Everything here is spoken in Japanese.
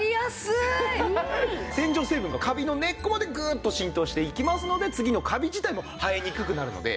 洗浄成分がカビの根っこまでグーッと浸透していきますので次のカビ自体も生えにくくなるので。